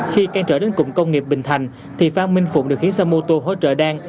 khi can trở đến cụm công nghiệp bình thành thì phan minh phụng điều khiến xe mô tô hỗ trợ đan